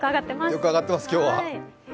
よく上がってます、今日は。